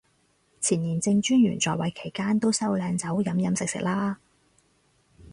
前廉政專員在位期間都收靚酒飲飲食食啦